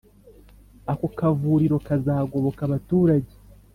Ako kavuriro kazagoboka abaturage